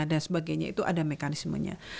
dan sebagainya itu ada mekanismenya